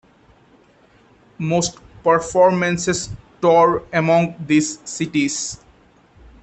Most performances tour among these cities.